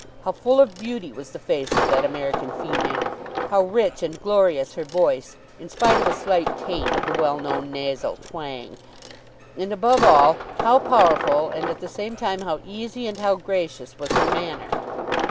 How full of beauty was the face of that American female, how rich and glorious her voice in spite of a slight taint of the well known nasal twang; and above all how powerful and at the same time how easy and how gracious was her manner!